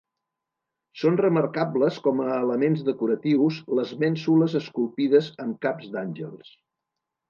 Són remarcables com a elements decoratius les mènsules esculpides amb caps d'àngels.